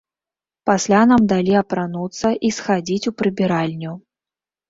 Пасля нам далі апрануцца і схадзіць у прыбіральню.